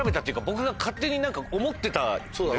僕が勝手に思ってたんですよ。